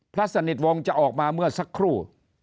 พระสนิทวงศ์จะออกมาเมื่อสักครู่